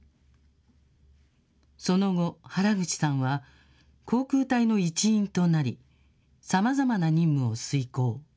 その後、原口さんは、航空隊の一員となり、さまざまな任務を遂行。